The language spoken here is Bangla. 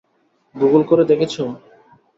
গুগল করে দেখেছো?